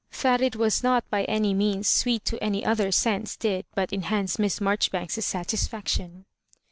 That it was not by any means sweet to any other sense did but enhance Miss Marjoribanks's satisfaction.